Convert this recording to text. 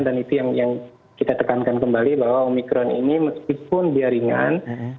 dan itu yang kita tekankan kembali bahwa omicron ini meskipun dia ringan